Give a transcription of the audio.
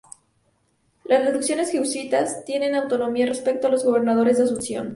Las reducciones jesuitas tenían autonomía respecto a los gobernadores de Asunción.